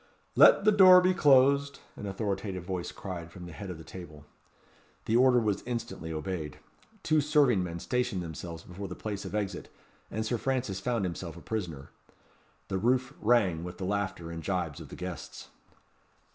"Let the door be closed," an authoritative voice cried from the head of the table. The order was instantly obeyed. Two serving men stationed themselves before the place of exit, and Sir Francis found himself a prisoner. The roof rang with the laughter and gibes of the guests.